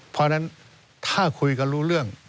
เพราะฉะนั้นถ้าคุยกันรู้เรื่อง